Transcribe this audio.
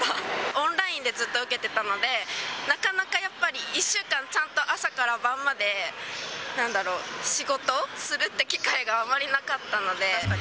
オンラインでずっと受けてたので、なかなかやっぱり、１週間、ちゃんと朝から晩まで、なんだろう、仕事するって機会があまりなかったので。